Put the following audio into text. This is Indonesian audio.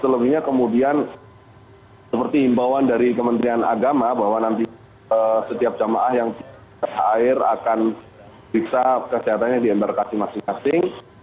selewihnya kemudian seperti imbauan dari kementerian agama bahwa nanti setiap jemaah yang ke air akan bisa kesehatannya diantarkasi masing masing